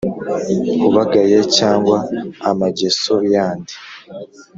Ubagaye cyangwa amageso yandi